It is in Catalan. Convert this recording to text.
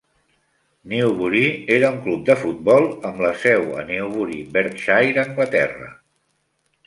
Newbury era un club de futbol amb la seu a Newbury, Berkshire, Anglaterra.